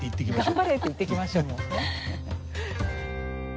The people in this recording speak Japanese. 頑張れって言ってきましょうもう。